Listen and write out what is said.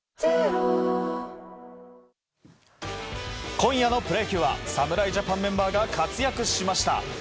今夜のプロ野球は侍ジャパンメンバーが活躍しました。